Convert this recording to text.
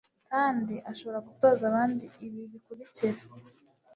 kandi ashobora gutoza abandi ibi bikurikira